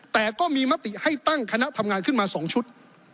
แต่ก็มีมติให้ตั้งคณะทำงานขึ้นมา๒ชุด